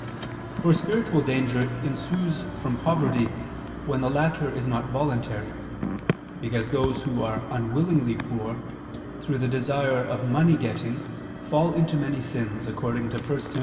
For spiritual danger ensues from poverty when the latter is not voluntary; because those who are unwillingly poor, through the desire of money getting, fall into many sins, according to 1 Tim.